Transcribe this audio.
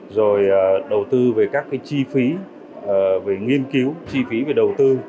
rồi đầu tư về các cái chi phí về nghiên cứu chi phí về đầu tư